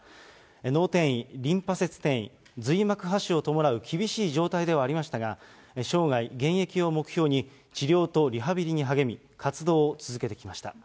脳転移、リンパ節転移、髄膜播種を伴う厳しい状態ではありましたが、生涯現役を目標に、治療とリハビリに励み、活動を続けてきました。